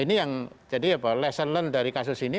ini yang jadi lesson learned dari kasus ini